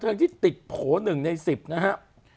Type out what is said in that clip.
เพลงที่ติดโผล่หนึ่งในสิบนะฮะ